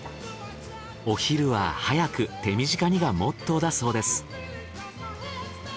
お昼は早く手短にがモットーだそうです。